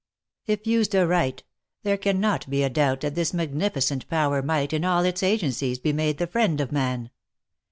" If used aright the recannot be a doubt that this magnificent power might, in all its agencies, be made the friend of man.